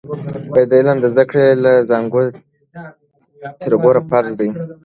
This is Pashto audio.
د علم زده کړه له زانګو تر ګوره فرض دی.